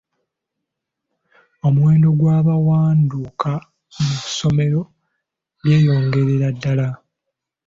Omuwendo gw'abawanduka mu ssomero gweyongerera ddala.